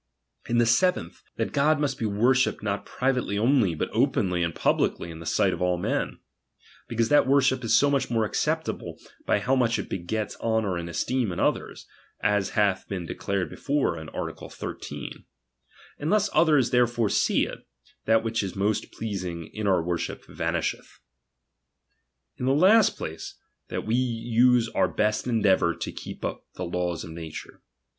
In the seventh, that God must be worshipped not privately only, but openly and publicly in the sight of all men; because that worship is so much more acceptable, by how much it begets honour and esteem in others ; as hath been declared before in art. 13. Unless others therefore see it, that which is most pleasing in our worship vanisheth. In the last place, that we use our best endeavour to keep the laics of nature.